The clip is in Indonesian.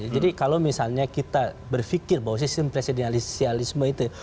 jadi kalau misalnya kita berfikir bahwa sistem presidensialisme itu